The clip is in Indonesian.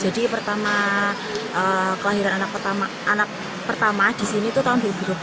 jadi pertama kelahiran anak pertama di sini itu tahun dua ribu dua puluh